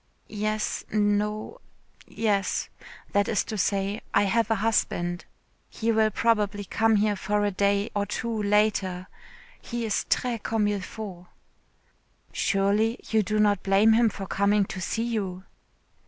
"Yes No Yes. That is to say, I have a husband. He will probably come here for a day or two later. He is très comme il faut." "Surely you do not blame him for coming to see you."